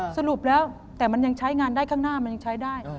สรุปแล้วแต่มันยังใช้งานได้ข้างหน้ามันยังใช้ได้